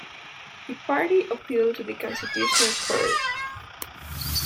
The party appealed to the Constitutional Court.